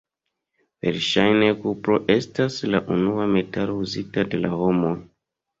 Verŝajne kupro estas la unua metalo uzita de la homoj.